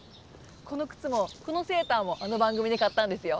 このくつもこのセーターもあの番組で買ったんですよ。